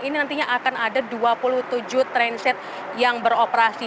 ini nantinya akan ada dua puluh tujuh transit yang beroperasi